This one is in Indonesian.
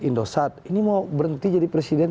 indosat ini mau berhenti jadi presiden